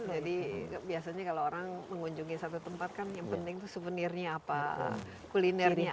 jadi biasanya kalau orang mengunjungi satu tempat kan yang penting tuh souvenirnya apa kulinernya apa